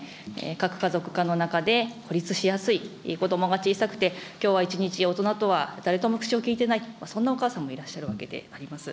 核家族化の中で、孤立しやすい、子どもが小さくてきょうは一日、大人とは誰とも口をきいてないという、そんなお母さんもいらっしゃるわけであります。